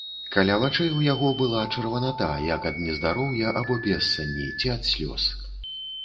Каля вачэй у яго была чырваната, як ад нездароўя, або бессані, ці ад слёз.